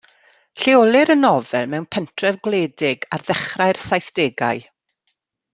Lleolir y nofel mewn pentref gwledig ar ddechrau'r saithdegau.